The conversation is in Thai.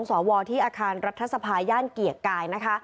สวที่อาคารรัฐสภายย่านเกียกกาย